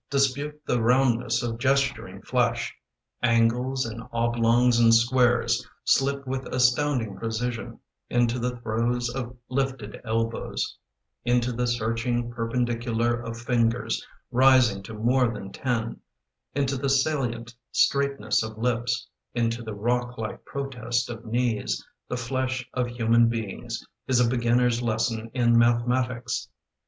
Dispute the roundness of gesturing flesh; Angles, and oblongs, and squares Slip with astounding precision Into the throes of lifted elbows; Into the searching perpendicular Of fingers rising to more than ten; Into the salient straightness of lips; Into the rock like protest of knees. The flesh of human beings Is a beginner's lesson in mathematics.